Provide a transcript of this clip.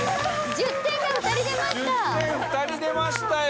１０点２人出ましたよ。